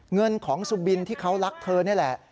เงินของสุบินที่เขารักเธอนี่แหละ